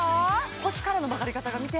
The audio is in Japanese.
腰からの曲がり方が見て！